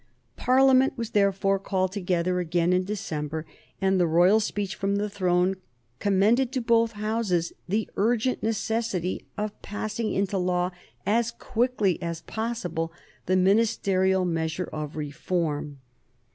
Parliament was therefore called together again in December, and the Royal Speech from the Throne commended to both Houses the urgent necessity of passing into law as quickly as possible the ministerial measure of reform.